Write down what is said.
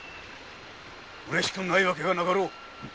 うれしくない訳はなかろう。